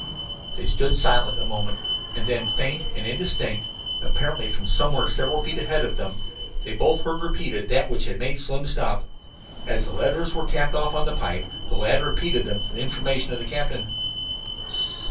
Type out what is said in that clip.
They stood silent a moment, and then, faint and indistinct, apparently from somewhere several feet ahead of them, they both heard repeated that which had made Slim stop. As the letters were tapped off upon the pipe the lad repeated them for the information of the captain.